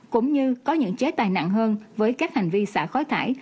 cũng như có những chế tài nặng hơn với các hành vi xả khói thải